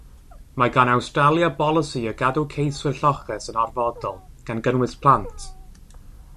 Mae gan Awstralia bolisi o gadw ceiswyr lloches yn orfodol, gan gynnwys plant.